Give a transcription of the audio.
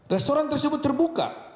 restoran tersebut terbuka